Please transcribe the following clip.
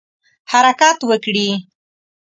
حرکت وکړي.